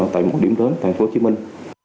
tại mỗi điểm đến thành phố hồ chí minh